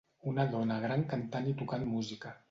Una dona gran cantant i tocant música.